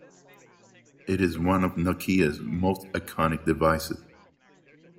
It is one of Nokia's most iconic devices.